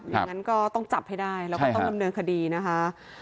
อย่างนั้นก็ต้องจับให้ได้แล้วก็ต้องดำเนินคดีนะคะ